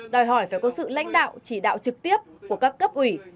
đòi hỏi phải có sự lãnh đạo chỉ đạo trực tiếp của các cấp ủy